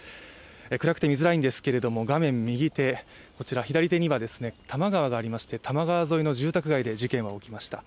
暗くて見づらいんですけれども画面左手には多摩川がありまして多摩川沿いの住宅街で事件は起きました。